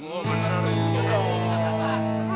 oh beneran raya